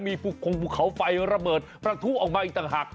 มีภูเขาไฟระเบิดพลังทุกออกมาอีกต่างหัก